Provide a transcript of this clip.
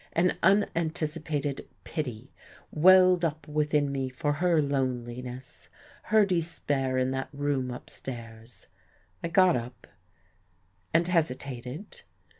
An unanticipated pity welled up within me for her loneliness, her despair in that room upstairs. I got up and hesitated.